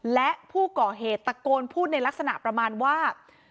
และผู้ก่อเหตุตะโกนพูดในลักษณะประมาณว่า